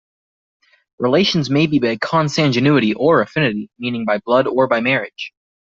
Relations may be by consanguinity or affinity, meaning by blood or by marriage.